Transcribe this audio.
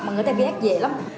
người ta ghét dễ lắm